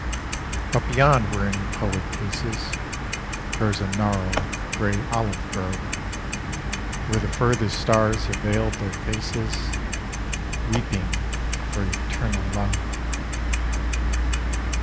But beyond where any poet paces, Grows a gnarled grey olive grove, Where the furthest stars have veiled their faces, Weeping for eternal Love.